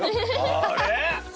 あれ？